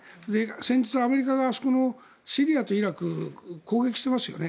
先日、アメリカがシリアとイラク攻撃していますよね。